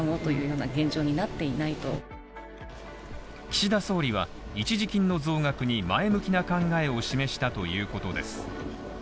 岸田総理は、一時金の増額に前向きな考えを示したということです。